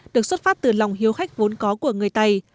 được xuất phát từ lòng hiếu khách vốn có của người tày